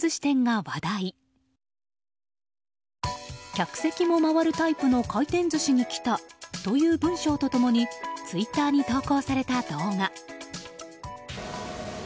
客席も回るタイプの回転寿司に来たという文章と共にツイッターに投稿された動画。